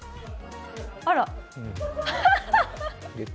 あら。